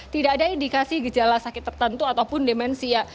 tidak ada indikasi gejala sakit tertentu ataupun demensia